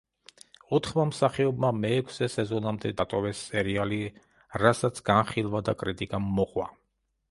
ოთხმა მსახიობმა მეექვსე სეზონამდე დატოვეს სერიალი რასაც განხილვა და კრიტიკა მოჰყვა.